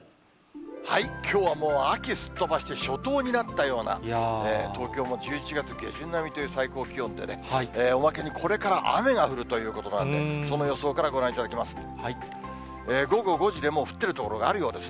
きょうはもう、秋すっ飛ばして初冬になったような、東京も１１月下旬並みという最高気温でね、おまけにこれから雨が降るということなんで、その予想からご覧いただきます。